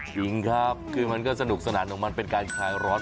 จริงครับคือมันก็สนุกสนานของมันเป็นการคลายร้อน